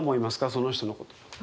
その人のこと。